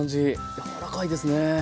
柔らかいですね。